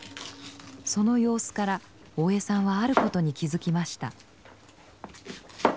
その様子から大江さんはあることに気付きました。